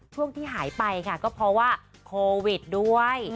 ช่วงที่หายไปค่ะก็เพราะว่าโควิดด้วย